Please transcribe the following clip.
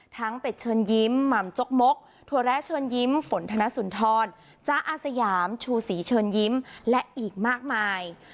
เป็ดเชิญยิ้มหม่ำจกมกถั่วแร้เชิญยิ้มฝนธนสุนทรจ๊ะอาสยามชูศรีเชิญยิ้มและอีกมากมาย